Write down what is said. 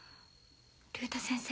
竜太先生